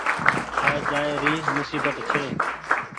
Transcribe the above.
آئي جآئي موسيبت ڇي۔